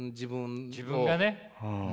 自分がね。